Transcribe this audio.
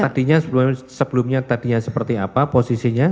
tadinya sebelumnya tadinya seperti apa posisinya